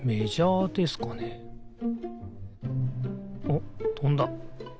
おっとんだ。